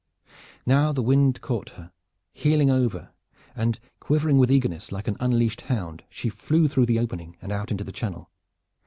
Now the wind caught her; heeling over, and quivering with eagerness like an unleashed hound she flew through the opening and out into the Channel.